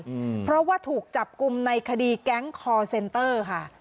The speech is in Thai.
อืมเพราะว่าถูกจับกลุ่มในคดีแก๊งคอร์เซนเตอร์ค่ะ